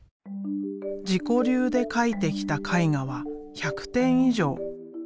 自己流で描いてきた絵画は１００点以上。